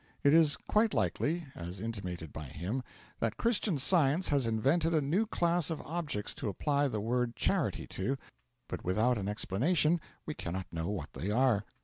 It is quite likely as intimated by him that Christian Science has invented a new class of objects to apply the word charity to, but without an explanation we cannot know what they are.